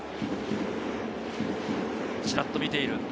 ちらっと見ている。